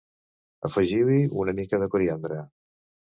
Afegiu-hi una mica de coriandre.